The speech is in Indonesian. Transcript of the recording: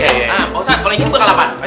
pak ustadz kalau begini buat apaan